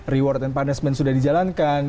reward and punishment sudah dijalankan